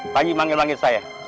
pak haji memanggil manggil saya